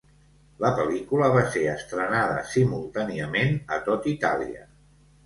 La pel·lícula va ser estrenada simultàniament a tot Itàlia.